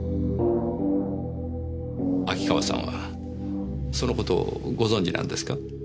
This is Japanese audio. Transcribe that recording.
秋川さんはその事をご存じなんですか？